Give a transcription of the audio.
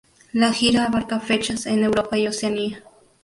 La gira abarca fechas en Europa y Oceanía.